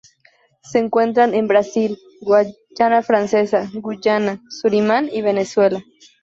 Se encuentra en Brasil, Guayana francesa, Guyana, Surinam y Venezuela.